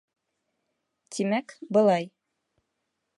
Тимәк, былай.